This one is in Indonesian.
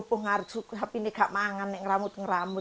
nek kalau perhatian saya nggak alas tambah ke yowanku